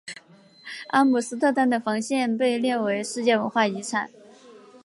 阿姆斯特丹的防线被列为世界文化遗产。